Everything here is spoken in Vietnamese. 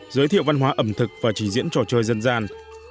giới thiệu văn hóa ẩm thực và trình diễn trò chơi dân gian